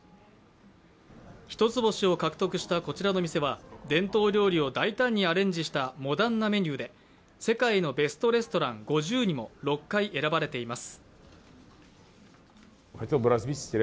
一つ星を獲得したこちらの店は、伝統料理を大胆にアレンジしたモダンなメニューで世界のベストレストラン５０にも６回選ばれています。